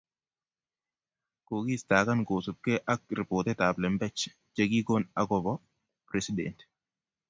kokiistakan kosupgei ak ripotitab lembech chekikon akobo president